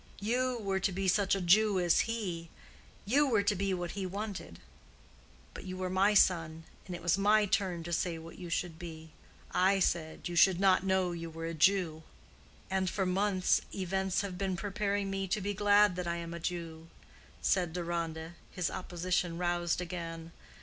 You were to be such a Jew as he; you were to be what he wanted. But you were my son, and it was my turn to say what you should be. I said you should not know you were a Jew." "And for months events have been preparing me to be glad that I am a Jew," said Deronda, his opposition roused again.